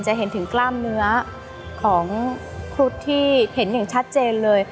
จะเห็นถึงกล้ามเนื้อของครุฑที่เห็นอย่างชัดเจนเลย